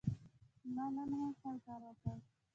ما نن هم خپل کار وکړ.